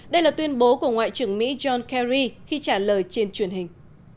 đây là tuyên bố của ngoại trưởng mỹ john kerry khi trả lời trên truyền hình